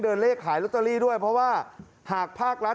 เลขขายลอตเตอรี่ด้วยเพราะว่าหากภาครัฐ